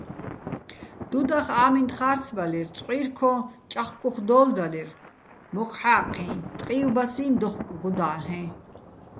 დუდახ ა́მინდ ხარცბალირ, წყვირქოჼ ჭახქუხ დო́ლდალირ, მოხ ჰ̦ა́ჴიჼ, ტყი́ვბასიჼ დოხკ გუდა́ლ'ეჼ.